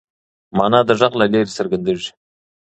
مانا د غږ له لارې څرګنديږي.